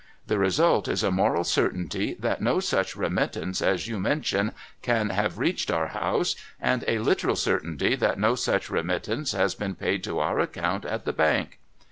The result is a moral certainty that no such remittance as you mention can have reached our house, and a literal certainty that no such remittance has been paid to our account at the bank.